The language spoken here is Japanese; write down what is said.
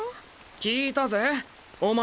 聞いたぜお前